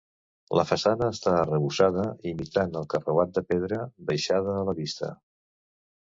La façana està arrebossada imitant el carreuat de pedra deixada a la vista.